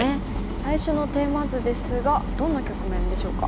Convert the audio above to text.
最初のテーマ図ですがどんな局面でしょうか。